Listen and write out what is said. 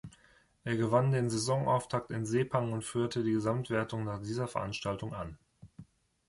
Er gewann den Saisonauftakt in Sepang und führte die Gesamtwertung nach dieser Veranstaltung an.